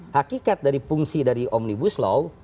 hakikat dari fungsi dari omnibus law